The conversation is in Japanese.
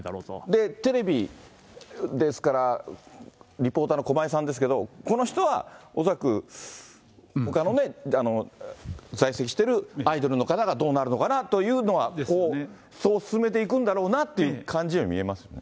で、テレビ、ですからリポーターの駒井さんですけれども、この人は、恐らくほかのね、在籍してるアイドルの方がどうなるのかなというのは、そう進めていくんだろうなという感じに見えますね。